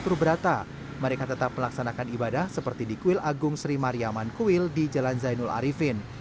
mereka tetap melaksanakan ibadah seperti di kuil agung sri mariaman kuil di jalan zainul arifin